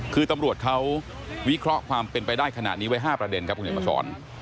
คือตำรวจเขาวิเคราะห์ความเป็นไปได้ขนาดนี้ไว้๕ประเด็นครับบุคลิกประชร